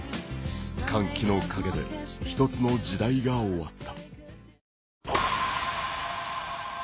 歓喜の陰で一つの時代が終わった。